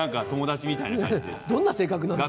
どんな性格なんだよ。